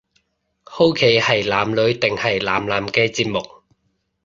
好奇係男女定係男男嘅節目